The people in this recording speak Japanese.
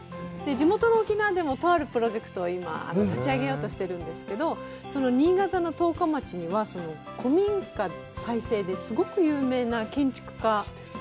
地元の沖縄でもプロジェクトを立ち上げようとしてるんですけど、その新潟の十日町には古民家再生ですごく有名な建築家。